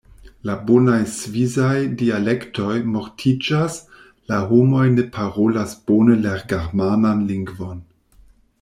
La bonaj svisaj dialektoj mortiĝas, la homoj ne parolas bone la germanan lingvon.